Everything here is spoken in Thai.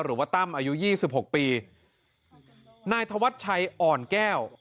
ตั้มอายุยี่สิบหกปีนายธวัชชัยอ่อนแก้ว